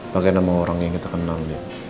pakai nama orang yang kita kenal